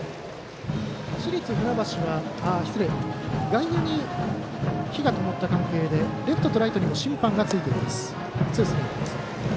外野に灯がともった関係でレフトとライトにも審判がついています。